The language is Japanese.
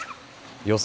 予想